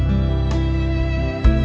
aku mau ke sana